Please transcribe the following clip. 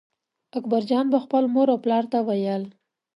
اکبرجان به خپل مور او پلار ته ویل.